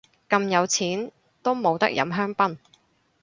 咁有錢都冇得飲香檳